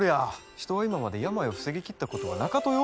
人は今まで病を防ぎきったことはなかとよ！